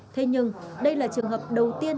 thế nhưng đây là trường hợp đầu tiên